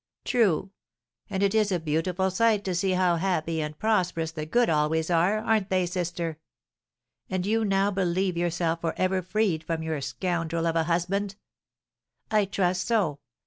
"True; and it is a beautiful sight to see how happy and prosperous the good always are, aren't they, sister? And do you now believe yourself for ever freed from your scoundrel of a husband?" "I trust so.